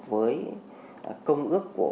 với công ước của